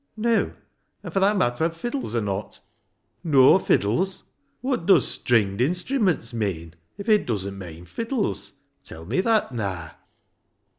" No ; and, for that matter, fiddles are not "—" No fiddles ? Wot does stringed instri ments meean, if it doesn't meean fiddles ? Tell me that naa